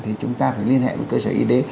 thì chúng ta phải liên hệ với cơ sở y tế